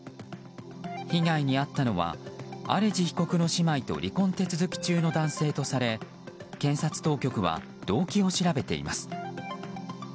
被害に遭ったのはアレジ被告の姉妹と離婚手続き中の男性とされ検察当局は動機を調べています。